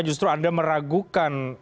justru anda meragukan